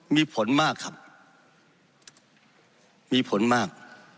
มีผลมากครับมีผลมาก